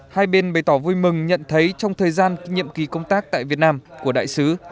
hai bên bày tỏ vui mừng nhận thấy trong thời gian kinh nghiệm kỳ công tác tại việt nam của đại sứ